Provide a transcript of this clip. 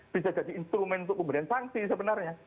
bisa jadi instrumen untuk pemberian sanksi sebenarnya